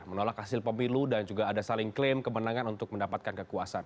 menolak hasil pemilu dan juga ada saling klaim kemenangan untuk mendapatkan kekuasaan